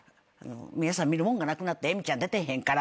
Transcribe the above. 皆さん見るもんがなくなってえみちゃん出てへんから。